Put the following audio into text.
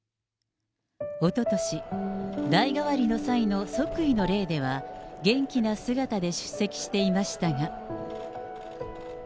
おととし、代替わりの際の即位の礼では、元気な姿で出席していましたが。